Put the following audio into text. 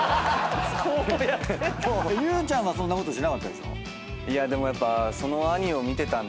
ゆうちゃんはそんなことしなかったでしょ？